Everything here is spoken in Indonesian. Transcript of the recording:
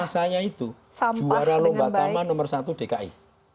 di komplek rumah saya itu juara lomba taman nomor satu dki